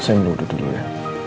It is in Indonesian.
saya yang mutta dulu ya